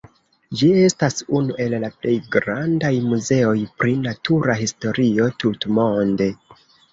Ĝi estas unu el la plej grandaj muzeoj pri natura historio tutmonde.